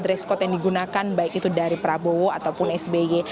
deskot yang digunakan baik itu dari prabowo ataupun sby